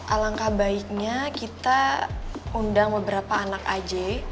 alangkah baiknya kita undang beberapa anak aj